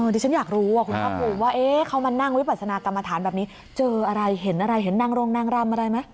ดิฉันอยากรู้ว่าคุณภาคภูมิว่าเขามานั่งวิปัสนากรรมฐานแบบนี้เจออะไรเห็นอะไรเห็นนางโรงนางรำอะไรไหม